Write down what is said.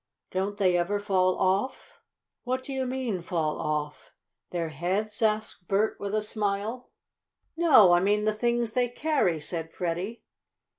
"Don't they ever fall off?" "What do you mean fall off their heads?" asked Bert with a smile. "No, I mean the things they carry," said Freddie.